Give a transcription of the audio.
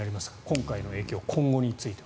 今回の影響今後については。